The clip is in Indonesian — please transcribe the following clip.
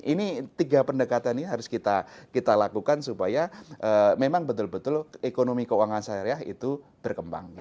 ini tiga pendekatan ini harus kita lakukan supaya memang betul betul ekonomi keuangan syariah itu berkembang